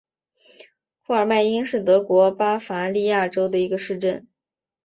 库尔迈因是德国巴伐利亚州的一个市镇。